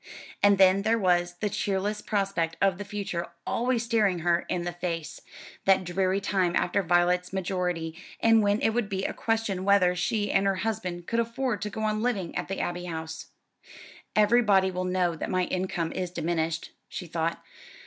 And then there was the cheerless prospect of the future always staring her in the face, that dreary time after Violet's majority, when it would be a question whether she and her husband could afford to go on living at the Abbey House. "Everybody will know that my income is diminished," she thought.